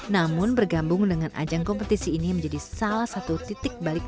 namun bergambung dengan ajang kompetisi ini menjadi salah satu tanggung jawab